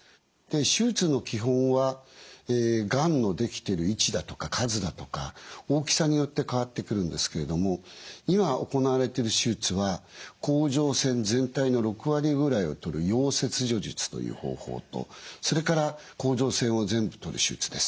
手術の基本はがんのできてる位置だとか数だとか大きさによって変わってくるんですけれども今行われている手術は甲状腺全体の６割ぐらいを取る葉切除術という方法とそれから甲状腺を全部取る手術です。